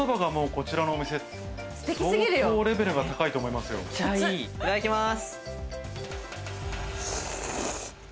いただきます。